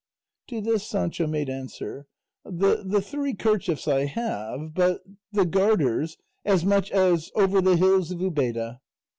To this Sancho made answer, "The three kerchiefs I have; but the garters, as much as 'over the hills of Ubeda.